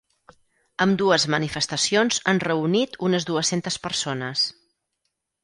Ambdues manifestacions han reunit unes dues-centes persones.